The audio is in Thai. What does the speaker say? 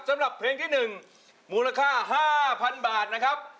สำหรับเพลงที่๑มูลค่า๕๐๐๐บาทนะครับ